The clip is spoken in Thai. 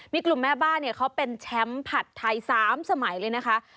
มีกลุ่มแม่บ้านเนี่ยเขาเป็นแชมป์ผัดไทย๓สมัยเลยนะคะ